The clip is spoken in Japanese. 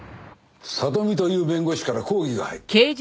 里見という弁護士から抗議が入ってる。